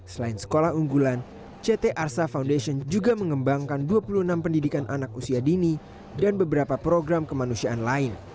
selain sekolah unggulan ct arsa foundation juga mengembangkan dua puluh enam pendidikan anak usia dini dan beberapa program kemanusiaan lain